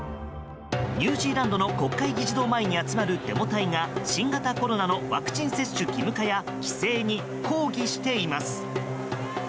ニュージーランドの国会議事堂前に集まるデモ隊が新型コロナのワクチン接種義務化や規制に抗議しています。